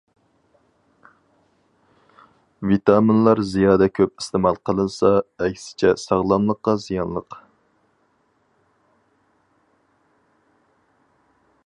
ۋىتامىنلار زىيادە كۆپ ئىستېمال قىلىنسا ئەكسىچە ساغلاملىققا زىيانلىق.